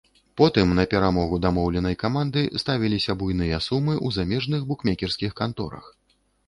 Потым на перамогу дамоўленай каманды ставіліся буйныя сумы ў замежных букмекерскіх канторах.